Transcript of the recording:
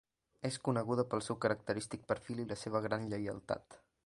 És coneguda pel seu característic perfil i la seva gran lleialtat.